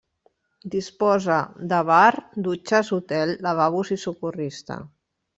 Disposa de bar, dutxes, hotel, lavabos i socorrista.